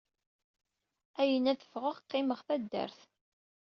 Ayen ɣ ad ffɣeɣ qqimeɣ taddart.